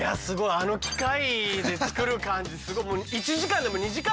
あの機械で作る感じすごい。